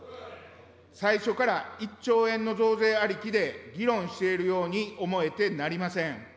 最初から１兆円の増税ありきで議論しているように思えてなりません。